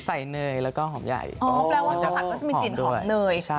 อ๋อแปลว่ากะผัดก็จะมีกลิ่นหอมเนย